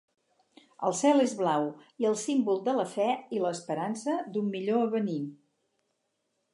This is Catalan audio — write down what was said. El cel és blau i el símbol de la fe i l'esperança d'un millor avenir.